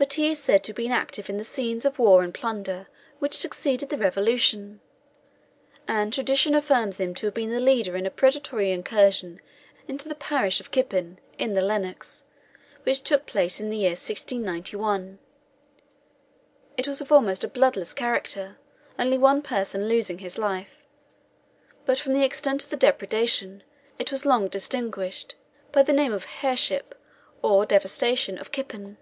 But he is said to have been active in the scenes of war and plunder which succeeded the Revolution; and tradition affirms him to have been the leader in a predatory incursion into the parish of Kippen, in the Lennox, which took place in the year 1691. It was of almost a bloodless character, only one person losing his life; but from the extent of the depredation, it was long distinguished by the name of the Her' ship, or devastation, of Kippen.